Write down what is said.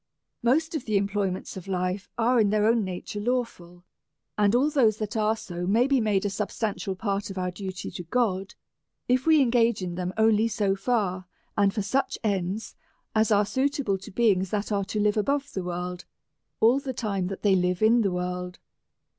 Most of the employments of life are in their own DEVOUT AND HOLY LIFE. 37 nature lawful ; and all those that are so may be made a substantial part of our duty to God^ if we engage in them only so far^ and for such ends^ as are suitable to beings that are to live above the world all the time that they live in the world.